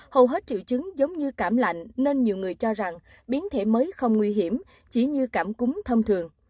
hầu hết triệu chứng giống như cảm lạnh nên nhiều người cho rằng biến thể mới không nguy hiểm chỉ như cảm cúm thông thường